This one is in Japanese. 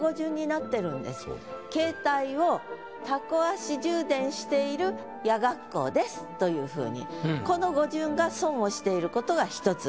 「携帯をタコ足充電している夜学校です」というふうに。をしていることが１つ。